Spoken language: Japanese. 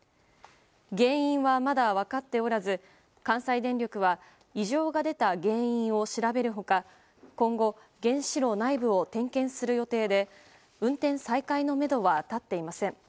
原因は、まだ分かっておらず関西電力は異常が出た原因を調べる他今後、原子炉内部を点検する予定で運転再開のめどは立っていません。